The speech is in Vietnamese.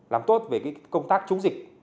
làm tốt về cái công tác chống dịch